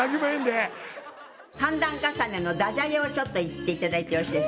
３段重ねのダジャレをちょっと言って頂いてよろしいですか？